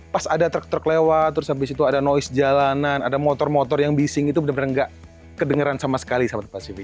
pas ada truk truk lewat terus habis itu ada noise jalanan ada motor motor yang bising itu benar benar nggak kedengeran sama sekali sama pasifik